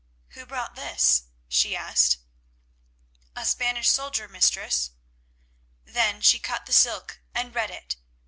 "Who brought this?" she asked. "A Spanish soldier, mistress." Then she cut the silk and read it.